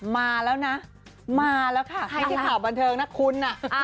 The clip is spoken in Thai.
มาแล้วนะมาแล้วค่ะไม่ใช่ข่าวบันเทิงนะคุณ